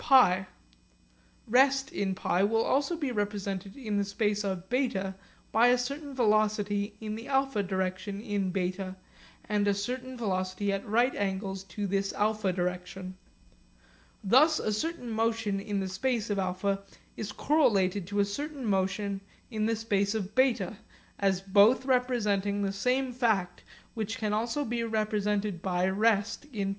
Rest in π will also be represented in the space of β by a certain velocity in the α direction in β and a certain velocity at right angles to this α direction. Thus a certain motion in the space of α is correlated to a certain motion in the space of β, as both representing the same fact which can also be represented by rest in π.